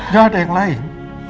gak ada yang lain